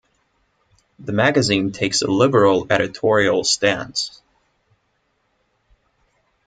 The magazine takes a "liberal" editorial stance.